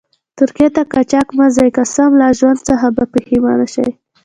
ترکيې ته قاچاق مه ځئ، قسم لا ژوند څخه به پیښمانه شئ.